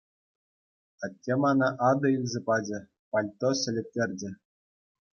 Атте мана атӑ илсе пачӗ, пальто ҫӗлеттерчӗ.